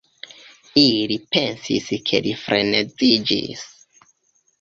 Ili pensis ke li freneziĝis.